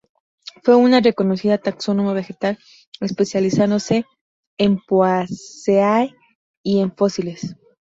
Fue una reconocida taxónoma vegetal, especializándose en Poaceae y en fósiles.